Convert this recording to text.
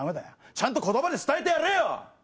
ちゃんと言葉で伝えてやれよ！